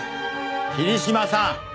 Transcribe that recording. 桐島さん！